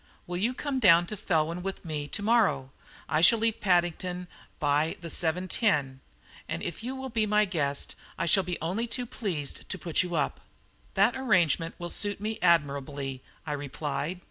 "Will you come down to Felwyn with me to morrow? I shall leave Paddington by the 7.10, and if you will be my guest I shall be only too pleased to put you up." "That arrangement will suit me admirably," I replied.